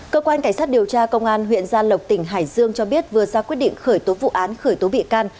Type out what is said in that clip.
cơ quan cảnh sát điều tra công an huyện gia lộc tỉnh hải dương cho biết vừa ra quyết định khởi tố vụ án khởi tố bị can